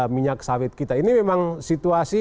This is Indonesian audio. minyak sawit kita ini memang situasi